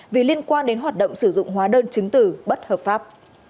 vì liên quan đến hoạt động sử dụng hóa đơn chứng tử bất hợp pháp